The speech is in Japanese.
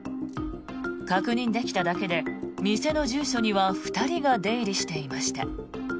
確認できただけで店の住所には２人が出入りしていました。